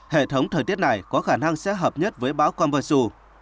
hệ thống thời tiết này có khả năng sẽ hợp nhất với báo kompassu